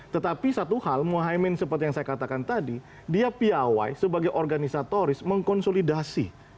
tetapi satu hal muhaymin seperti yang saya katakan tadi dia piawai sebagai organisatoris mengkonsolidasi